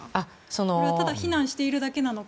これはただ非難しているだけなのか